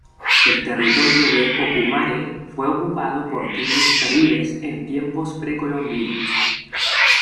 El territorio de Ocumare fue ocupado por tribus caribes en tiempos precolombinos.